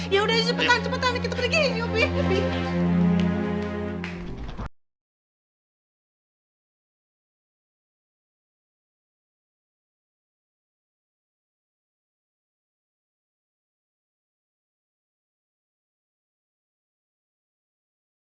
ya udah cepetan cepetan